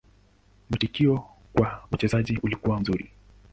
Mwitikio kwa uchezaji ulikuwa mzuri.